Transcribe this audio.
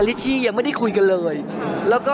รอนิคล